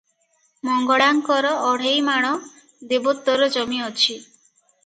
ମଙ୍ଗଳାଙ୍କର ଅଢ଼େଇମାଣ ଦେବୋତ୍ତର ଜମି ଅଛି ।